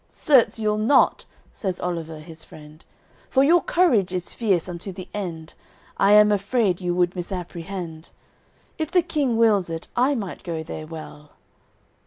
"Certes, you'll not," says Oliver his friend, "For your courage is fierce unto the end, I am afraid you would misapprehend. If the King wills it I might go there well."